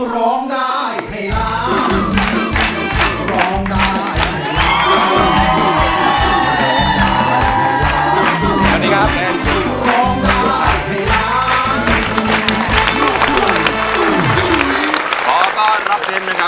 ร้องได้ไพร่อ